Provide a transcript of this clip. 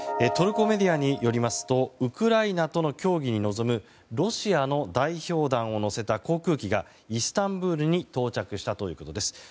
トルコメディアによりますとウクライナとの協議に臨むロシアの代表団を乗せた航空機がイスタンブールに到着したということです。